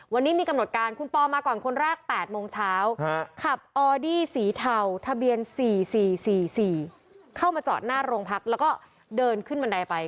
วันนี้มีกำหนดการคุณปอมาก่อนคนแรก๘โมงเช้าขับออดี้สีเทาทะเบียน๔๔๔๔เข้ามาจอดหน้าโรงพักแล้วก็เดินขึ้นบันไดไป